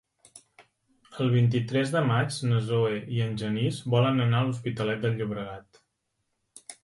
El vint-i-tres de maig na Zoè i en Genís volen anar a l'Hospitalet de Llobregat.